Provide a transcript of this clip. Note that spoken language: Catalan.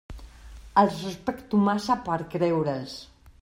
Els respecto massa per a creure'ls.